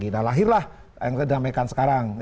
nah lahirlah yang kita damaikan sekarang